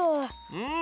うん！